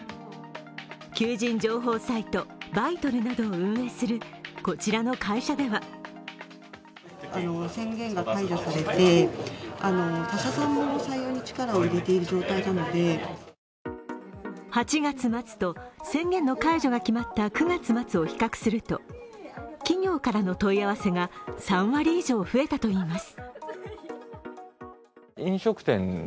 求人情報サイト、バイトルなどを運営するこちらの会社では８月末と宣言の解除が決まった９月末を比較すると企業からの問い合わせが３割以上増えたといいます。